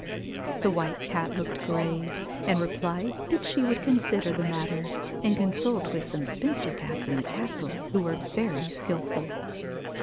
The White Cat looked grave, and replied that she would consider the matter, and consult with some spinster cats in the castle who were very skilful.